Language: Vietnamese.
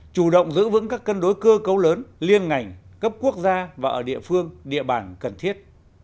chủ động giữ vững các cân đối cơ cấu lớn liên ngành cấp quốc gia và ở địa phương địa bàn cần thiết